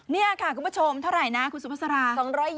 นี่ค่ะคุณผู้ชมเท่าไหร่นะคุณสุภาษา